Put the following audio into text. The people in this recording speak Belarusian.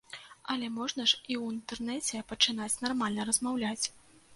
Але можна ж і ў інтэрнэце пачынаць нармальна размаўляць.